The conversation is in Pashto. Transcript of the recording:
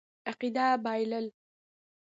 عقیده بایلل.